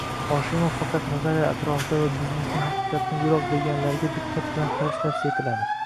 Hoshimov faqat nazariyalar atrofida va bizniki haqiqatdan yiroq deganlarga diqqat bilan qarash tavsiya etiladi